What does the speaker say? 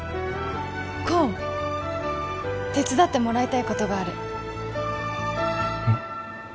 功手伝ってもらいたいことがあるうん？